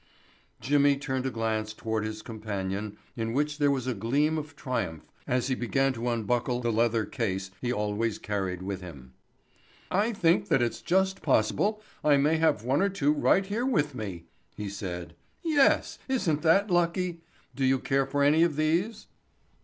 Jimmy turned a glance toward his companion in which there was a gleam of triumph as he began to unbuckle the leather case he always carried with him. "I think that it's just possible I may have one or two right here with me," he said. "Yes, isn't that lucky? Do you care for any of these?"